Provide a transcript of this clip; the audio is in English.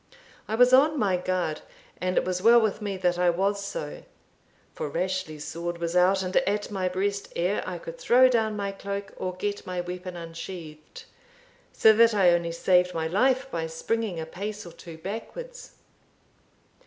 I was on my guard, and it was well with me that I was so; for Rashleigh's sword was out and at my breast ere I could throw down my cloak, or get my weapon unsheathed, so that I only saved my life by springing a pace or two backwards.